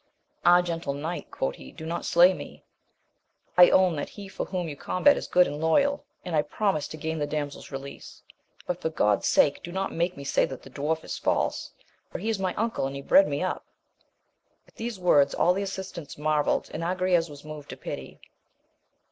Ah, gentle knight, quoth he, do not slay me! I own that he for whom you combat is good and loyal, and I promise to gain the damsel's release ; but for God's sake do not make me say that the dwarf is false, for he is my uncle and he bred me up. At these words all the assistants marvelled, and Agrayes was moved to pity.